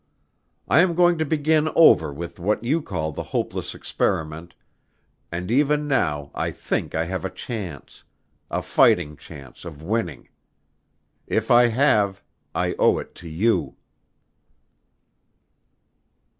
I am going to begin over with what you call the hopeless experiment and even now I think I have a chance ... a fighting chance of winning. If I have, I owe it to you."